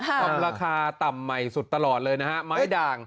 ทำราคาต่ำใหม่สุดตลอดเลยนะฮะไม้ด่าง